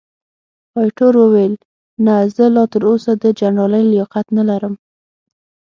ایټور وویل، نه، زه لا تراوسه د جنرالۍ لیاقت نه لرم.